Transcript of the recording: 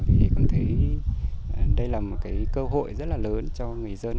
thì cũng thấy đây là một cơ hội rất là lớn cho người dân